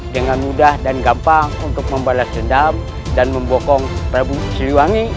dengan mudah dan gampang untuk membalas dendam dan membokong rabu siliwangi